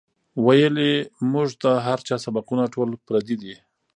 وئیلـي مونږ ته هـر چا سبقــونه ټول پردي دي